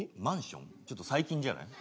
ちょっと最近じゃない？